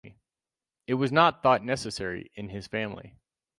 It was not thought necessary in his family.